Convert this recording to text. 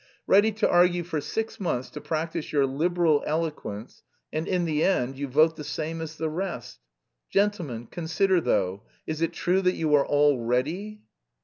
Ready to argue for six months to practise your Liberal eloquence and in the end you vote the same as the rest! Gentlemen, consider though, is it true that you are all ready?"